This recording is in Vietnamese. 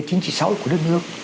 chính trị xã hội của đất nước